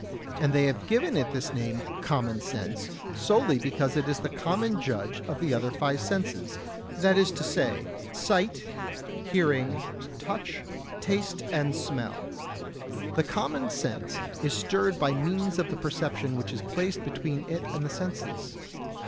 And they have given it this name "common sense" solely because it is the common judge of the five other senses, that is to say, sight, hearing, touch, taste and smell. The "common sense" is stirred by means of the perception which is placed between it and the senses.